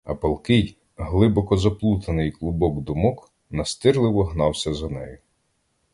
А палкий, глибоко заплутаний клубок думок настирливо гнався за нею.